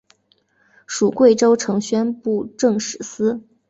属贵州承宣布政使司。